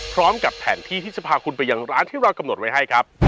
พร้อมกับแผนที่ที่จะพาคุณไปยังร้านที่เรากำหนดไว้ให้ครับ